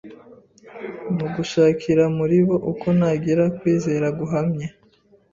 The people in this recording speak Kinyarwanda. Mu gushakira muri bo uko nagira kwizera guhamye,